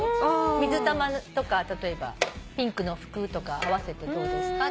水玉とか例えばピンクの服とか合わせてどうですか？